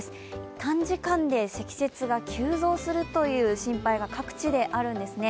短時間で積雪が急増するという心配が各地であるんですね。